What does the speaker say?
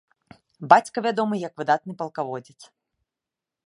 Бацька вядомы як выдатны палкаводзец.